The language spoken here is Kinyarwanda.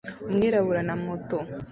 Umwirabura na moto